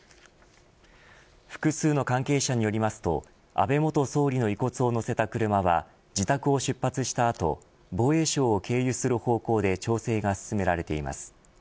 複数の関係者によりますと安倍元総理の遺骨を乗せた車は自宅を出発した後防衛省を経由する方向で調整が進められています。